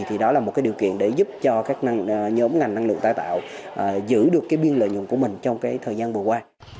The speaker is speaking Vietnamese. thì đó là một điều kiện để giúp cho các nhóm ngành năng lượng tái tạo giữ được biên lợi nhuận của mình trong thời gian vừa qua